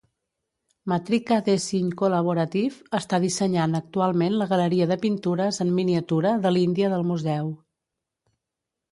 Matrika Design Collaborative està dissenyant actualment la galeria de pintures en miniatura de l'Índia del museu.